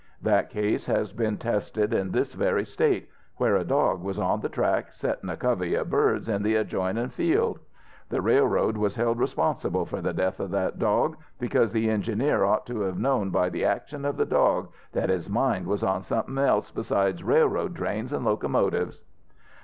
That case has been tested in this very state, where a dog was on the track settin' a covey of birds in the adjoinin' field. The railroad was held responsible for the death of that dog, because the engineer ought to have known by the action of the dog that his mind was on somethin' else beside railroad trains an' locomotives."